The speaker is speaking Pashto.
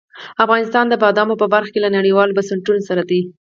افغانستان د بادامو په برخه کې له نړیوالو بنسټونو سره دی.